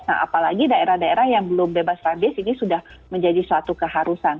nah apalagi daerah daerah yang belum bebas rabies ini sudah menjadi suatu keharusan